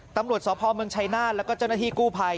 ตำรวจสพเมืองชัยนาธแล้วก็เจ้าหน้าที่กู้ภัย